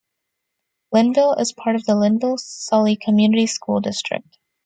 Lynnville is part of the Lynnville-Sully Community School District.